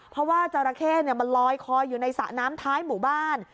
เพราะว่าจราเข้มันลอยคออยู่ในสระน้ำท้ายหมู่บ้าน